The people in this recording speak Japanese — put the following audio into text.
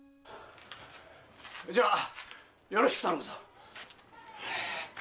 じゃあよろしく頼む。